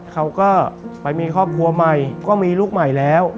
เขาก็ไปมีครอบครัวใหม่ก็มีลูกใหม่แล้ว